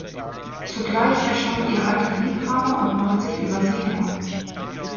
Zugleich erscheint ihr alter Liebhaber und macht sich über sie her.